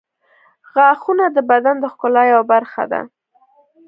• غاښونه د بدن د ښکلا یوه برخه ده.